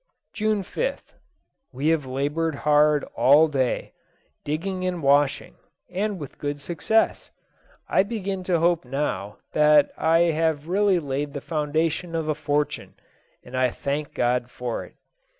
June 5th. We have laboured hard all day, digging and washing, and with good success. I begin to hope now that I have really laid the foundation of a fortune, and I thank God for it.